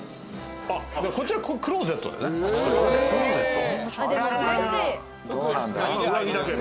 こちら、クローゼットだね。